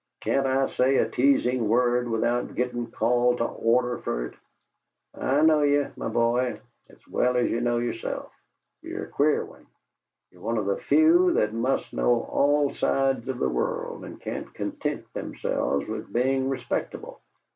"Can't I say a teasing word without gittin' called to order fer it? I know ye, my boy, as well as ye know yerself. Ye're a queer one. Ye're one of the few that must know all sides of the world and can't content themselves with bein' respectable!